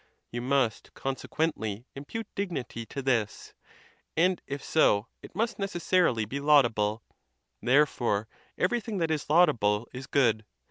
You must consequently impute dignity to this; and if so, it must necessarily be laudable: therefore, everything that is laudable is good.